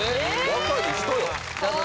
若い人よ